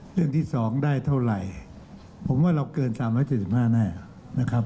เรื่องที่๒ได้เท่าไหร่ผมว่าเราเกิน๓๗๕แน่นะครับ